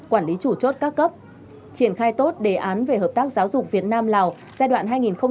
quản lý chủ chốt các cấp triển khai tốt đề án về hợp tác giáo dục việt nam lào giai đoạn hai nghìn một mươi sáu hai nghìn hai mươi